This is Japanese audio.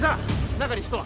中に人は！？